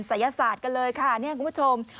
ศัยศาสตร์กันเลยค่ะเนี่ยคุณผู้ชม